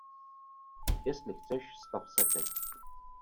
Jestli chceš, stav se teď.